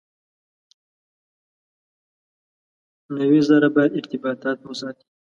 نوي زره باید ارتباطات وساتي.